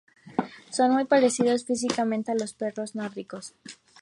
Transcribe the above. Son muy parecidos físicamente a los perros nórdicos.